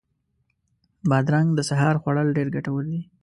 بادرنګ د سهار خوړل ډېر ګټور دي.